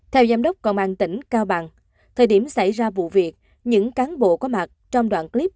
theo giám đốc công an tỉnh cao bằng thời điểm xảy ra vụ việc những cán bộ có mặt trong đoạn clip